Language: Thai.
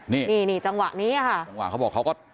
นี่นี่จังหวะนี้ค่ะจังหวะเขาบอกเขาก็